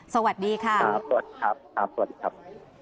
สวัสดีค่ะสวัสดีครับ